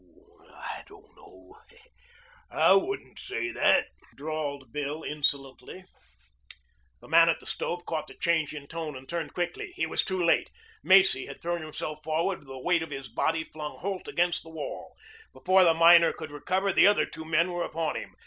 "Oh, I don't know. I wouldn't say that," drawled Bill insolently. The man at the stove caught the change in tone and turned quickly. He was too late. Macy had thrown himself forward and the weight of his body flung Holt against the wall. Before the miner could recover, the other two men were upon him.